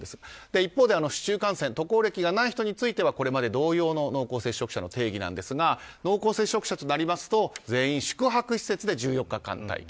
一方で、市中感染渡航歴がない人についてはこれまで同様の濃厚接触者の定義なんですが濃厚接触者となりますと全員宿泊施設で１４日間待機。